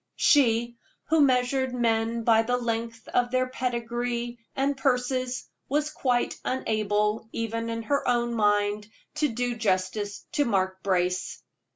She, who measured men by the length of their pedigree and purses, was quite unable, even in her own mind, to do justice to Mark Brace.